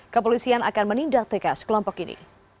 kepolisian akan menindak tegas kelompok ini